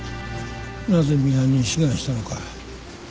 なぜミハンに志願したのか。